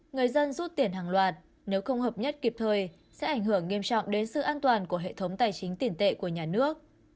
người dân rút tiền hàng loạt nếu không hợp nhất kịp thời sẽ ảnh hưởng nghiêm trọng đến sự an toàn của hệ thống tài chính tiền tệ của nhà nước